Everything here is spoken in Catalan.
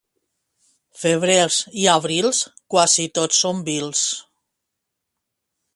Febrers i abrils quasi tots són vils.